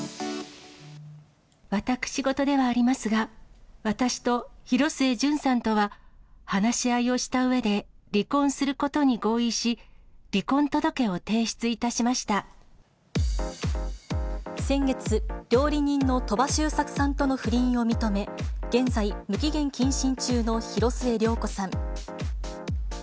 私事ではありますが、私と広末順さんとは、話し合いをしたうえで、離婚することに合意先月、料理人の鳥羽周作さんとの不倫を認め、現在、無期限謹慎中の広末涼子さん。